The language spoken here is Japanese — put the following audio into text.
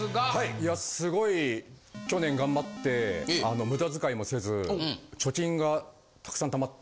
いやすごい去年頑張って無駄遣いもせず貯金がたくさん貯まって。